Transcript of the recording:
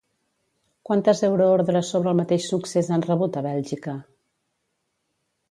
Quantes euroordres sobre el mateix succés han rebut a Bèlgica?